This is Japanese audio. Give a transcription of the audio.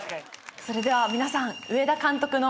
それでは皆さん。